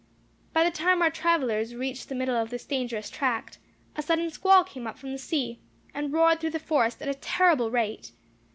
By the time our travellers reached the middle of this dangerous tract, a sudden squall came up from sea, and roared through the forest at a terrible rate.